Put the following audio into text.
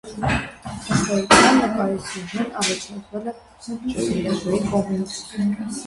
Ըստ էության, նկարի սյուժեն առաջարկվել է պատվիրատուի կողմից։